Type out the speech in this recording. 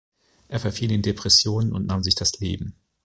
Er verfiel in Depressionen und nahm sich das Leben.